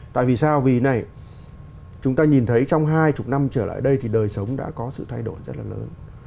tại vì sao vì này chúng ta nhìn thấy trong hai mươi năm trở lại đây thì đời sống đã có sự thay đổi rất là lớn